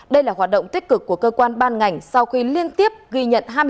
đây là hoạt động tích cực của cơ quan ban ngành sau khi liên tiếp ghi nhận